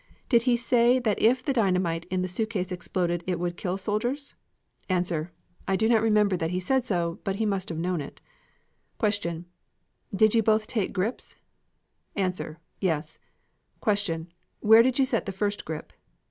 Did he say that if the dynamite in the suitcase exploded it would kill the soldiers? A. I do not remember that he said so, but he must have known it. Q. Did you take both grips? A. Yes. Q. Where did you set the first grip?